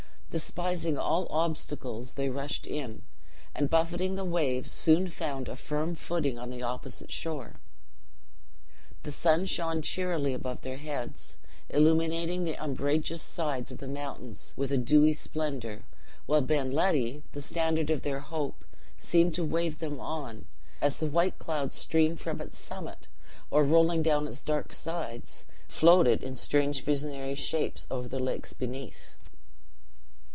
Despising all obstacles, they rushed in, and, buffeting the waves, soon found a firm footing on the opposite shore. The sun shone cheerily above their heads, illuminating the umbrageous sides of the mountains with a dewy splendor, while Ben Ledi, the standard of their hope, seemed to wave them on, as the white clouds streamed from its summit, or, rolling down its dark sides, floated in strange visionary shapes over the lakes beneath.